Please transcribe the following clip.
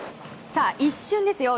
さあ、一瞬ですよ！